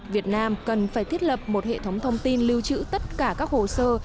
việt nam cần phải thiết lập một hệ thống thông tin lưu trữ tất cả các hồ sơ